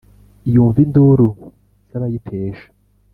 Yumva induru z'abayitesha.